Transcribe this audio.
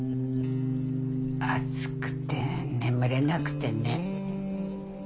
暑くて眠れなくてね。